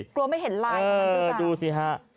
กลัวไม่เห็นวางไลน่ะ